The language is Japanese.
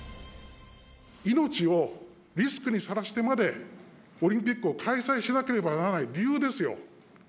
命をリスクにさらしてまでオリンピックを開催しなければならない理由ですよ。